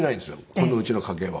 この家の家系は。